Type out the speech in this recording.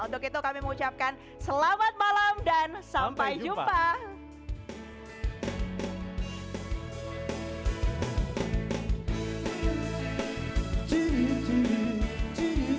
untuk itu kami mengucapkan selamat malam dan sampai jumpa